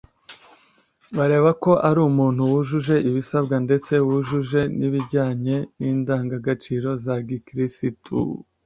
bareba ko uri umuntu wujuje ibisabwa ndetse wujuje nibijyanye n’indanga gaciro za gikristu